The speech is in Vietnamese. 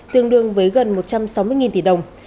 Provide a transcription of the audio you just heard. tương đương với gần một trăm sáu mươi tỷ đồng